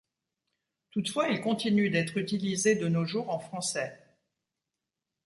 Toutefois, il continue d’être utilisé de nos jours en français.